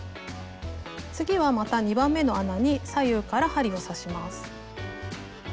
次はまた２番目の穴に左右から針を刺します。